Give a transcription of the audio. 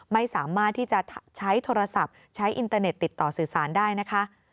ไม่สามารถที่จะใช้โทรศัพท์ใช้อินเตอร์เน็ตติดต่อสื่อสารได้นะคะ